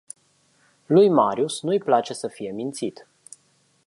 Lui marius nu-i place să fie mințit.